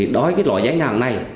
đối với loại giấy nhận này